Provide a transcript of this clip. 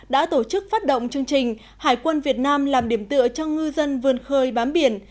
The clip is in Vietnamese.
đã tổ chức phát động chương trình hải quân việt nam làm điểm tựa cho ngư dân vươn khơi bám biển